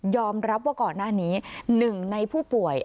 รับว่าก่อนหน้านี้หนึ่งในผู้ป่วย